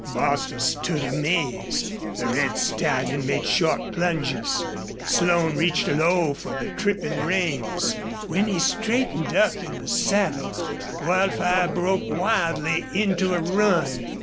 Bostil stood amazed. The red stallion made short plunges. Slone reached low for the tripping reins. When he straightened up in the saddle Wildfire broke wildly into a run.